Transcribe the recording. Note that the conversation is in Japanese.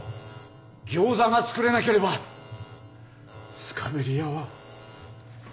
ギョーザが作れなければスカベリアは。